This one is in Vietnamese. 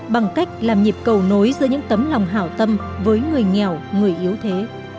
bằng cách làm nhịp cầu nối giữa những tấm lòng hảo tâm với người nghèo người yếu thế